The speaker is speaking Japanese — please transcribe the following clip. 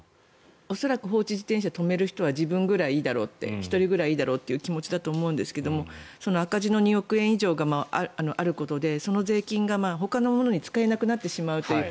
恐らく放置自転車を止める人は自分ぐらいいいだろうって１人ぐらいいいだろうという気持ちだと思いますがその赤字の２億円以上があることでその税金がほかのものに使えなくなってしまうという。